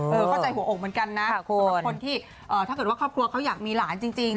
เข้าใจหัวอกเหมือนกันนะสำหรับคนที่ถ้าเกิดว่าครอบครัวเขาอยากมีหลานจริง